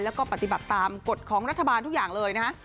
แล้วก็ปฏิบัติตามกฎของรัฐบาลทุกอย่างเลยนะฮะ